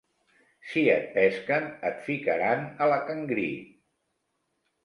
Si et pesquen et ficaran a la cangrí.